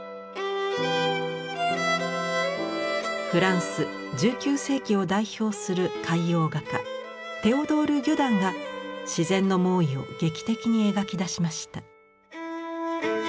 フランス１９世紀を代表する海洋画家テオドール・ギュダンが自然の猛威を劇的に描き出しました。